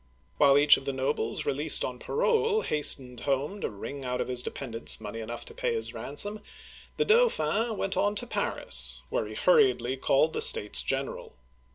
While each of the nobles released on parole hastened home to wring out of his dependents money enough to pay his ransom, the Dauphin went on to Paris, where he hurriedly called the States General.